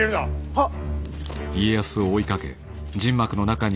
はっ！